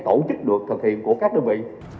tổ chức được thực hiện của các đơn vị